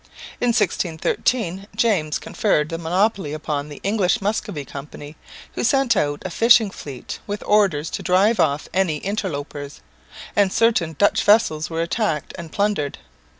In 1613 James conferred the monopoly upon the English Muscovy Company, who sent out a fishing fleet with orders to drive off any interlopers; and certain Dutch vessels were attacked and plundered.